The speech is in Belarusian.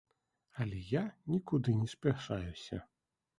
Але я нікуды не спяшаюся.